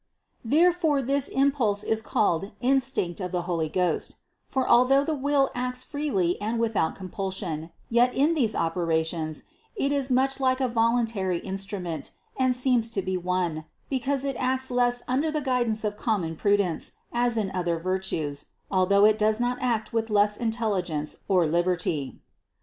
Therefore this impulse is called in stinct of the Holy Ghost; for although the will acts freely and without compulsion, yet in these operations it is much like a voluntary instrument and seems to be one, because it acts less under the guidance of common pru dence, as in other virtues, although it does not act with less intelligence or liberty.